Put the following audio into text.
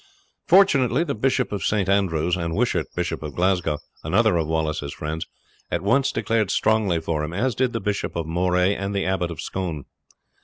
Fortunately the Bishop of St. Andrews, and Wishart, Bishop of Glasgow, another of Wallace's friends, at once declared strongly for him, as did the Bishop of Moray and the Abbot of Scone.